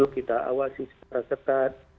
kita awasi secara setat